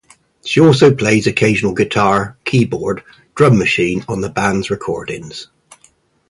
She also plays occasional guitar, keyboard, drum machine on the band's recordings.